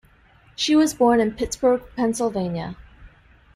She was born in Pittsburgh, Pennsylvania.